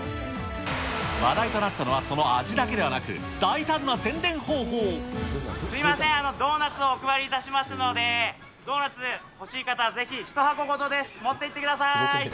話題となったのはその味だけではすみません、ドーナツをお配りいたしますので、ドーナツ欲しい方、ぜひ１箱ごとです、持っていってください。